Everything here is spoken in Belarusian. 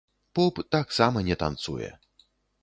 Поп таксама не танцуе.